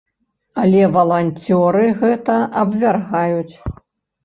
Але валанцёры гэта абвяргаюць.